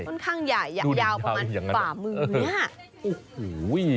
มันค่อนข้างยาวประมาณฝ่ามือเนี่ย